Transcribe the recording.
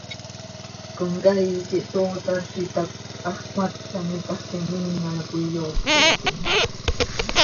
Comcaii quih tootar z itacö, hax cmatj an itaxquim, ina coi iyoopotim.